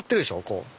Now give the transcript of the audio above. こう。